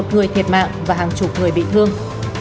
một mươi một người thiệt mạng và hàng chục người bị thương